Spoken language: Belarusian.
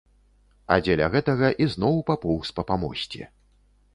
А дзеля гэтага ізноў папоўз па памосце.